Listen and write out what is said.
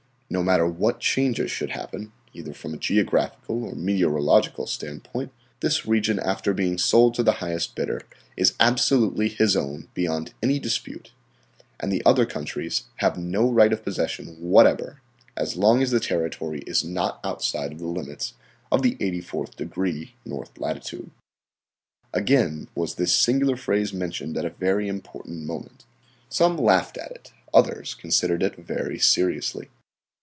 No matter what changes should happen, either from a geographical or meteorological standpoint, this region after being sold to the highest bidder is absolutely his own beyond any dispute, and the other countries have no right of possession whatever as long as the territory is not outside of the limits of the 84th degree north latitude." Again was this singular phrase mentioned at a very important moment. Some laughed at it, others considered it very seriously.